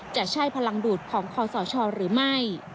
จะใช่พลังดูดของคอสชหรือไม่